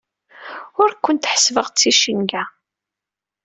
Ur kent-ḥessbeɣ d ticenga.